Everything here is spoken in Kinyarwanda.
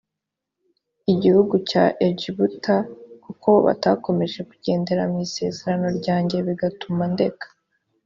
gihugu cya egiputa kuko batakomeje kugendera mu isezerano ryanjye bigatuma ndeka